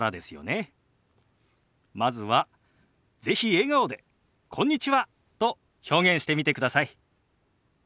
まずは是非笑顔で「こんにちは」と表現してみてください。